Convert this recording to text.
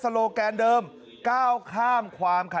สมัยไม่เรียกหวังผม